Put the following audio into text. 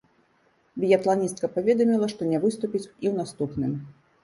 Біятланістка паведаміла, што не выступіць і ў наступным.